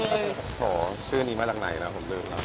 คือเราคุยกันเหมือนเดิมตลอดเวลาอยู่แล้วไม่ได้มีอะไรสูงแรง